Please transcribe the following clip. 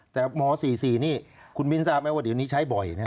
แต่ม๔๔นี่คุณมิ้นทราบไหมว่าเดี๋ยวนี้ใช้บ่อยนะ